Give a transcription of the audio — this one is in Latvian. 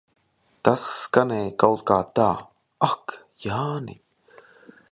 Tas skanēja kaut kā tā, Ak, Jāni.